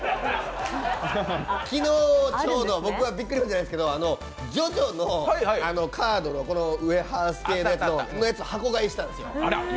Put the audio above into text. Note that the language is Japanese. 昨日ちょうど、ビックリマンじゃないですけど、ジョジョのカードのウエハース系のやつ、箱買いしたんですよ。